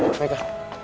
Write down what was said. eh eh eh meika